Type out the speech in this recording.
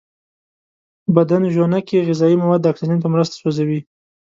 بدن ژونکې غذایي مواد د اکسیجن په مرسته سوځوي.